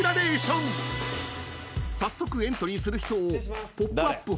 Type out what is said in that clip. ［早速エントリーする人を『ポップＵＰ！』